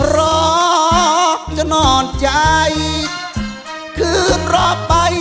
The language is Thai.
รอจนอ่อนใจคืนรอไป